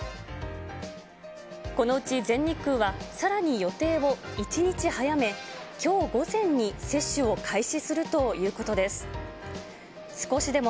このうち全日空は、さらに予定を１日早め、きょう午前に接種を開始するということです。